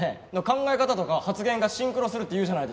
考え方とか発言がシンクロするっていうじゃないですか。